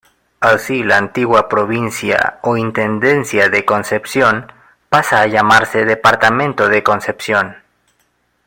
Así la antigua Provincia o Intendencia de Concepción, pasa a llamarse Departamento de Concepción.